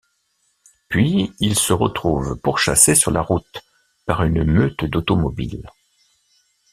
Puis Il se retrouve pourchassé sur la route par une meute d’automobiles.